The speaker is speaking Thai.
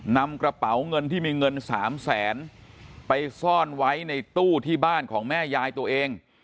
นำกระเป๋าเงินที่มีเงิน๓แสนไปซ่อนไว้ในตู้ที่บ้านของแม่ยายตัวเอง